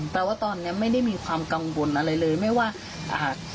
ว่าตอนเนี้ยไม่ได้มีความกังวลอะไรเลยไม่ว่าอ่า